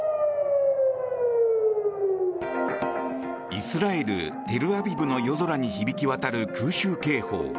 イスラエル・テルアビブの夜空に響き渡る空襲警報。